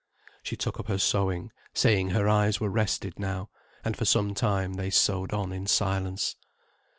] She took up her sewing, saying her eyes were rested now, and for some time they sewed on in silence.